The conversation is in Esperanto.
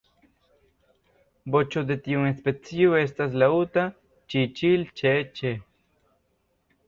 Voĉo de tiu specio estas laŭta "ĉi-ĉil-ĉee-ĉe".